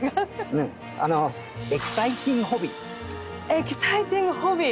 「エキサイティングホビー」！